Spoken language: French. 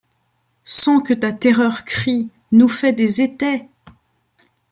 Sans que ta terreur crie : nous fait des étais !